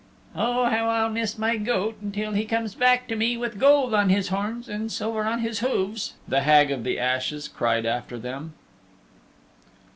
"Oh, how I'll miss my goat, until he comes back to me with gold on his horns and silver on his hooves," the Hag of the Ashes cried after them.